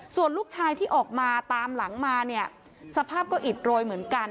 ส่วนลูกชายที่ออกมาตามหลังมาเนี่ยสภาพก็อิดโรยเหมือนกัน